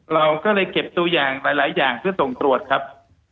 เราก็เลยเก็บตัวอย่างหลายอย่างเพื่อส่งตรวจครับ